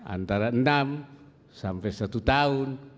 antara enam sampai satu tahun